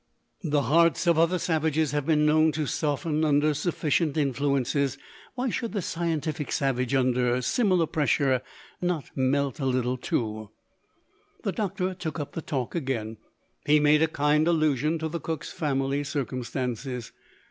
The hearts of other savages have been known to soften under sufficient influences why should the scientific savage, under similar pressure, not melt a little too? The doctor took up the talk again: he made a kind allusion to the cook's family circumstances.